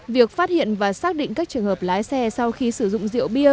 việc phát hiện và xác định các trường hợp lái xe sau khi sử dụng rượu bia